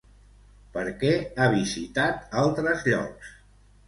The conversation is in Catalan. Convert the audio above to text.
Per què ha visitat altres llocs?